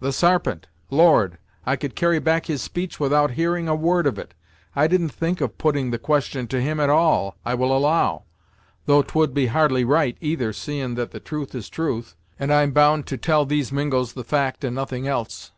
"The Sarpent! Lord; I could carry back his speech without hearing a word of it! I didn't think of putting the question to him at all, I will allow; though 'twould be hardly right either, seeing that truth is truth, and I'm bound to tell these Mingos the fact and nothing else.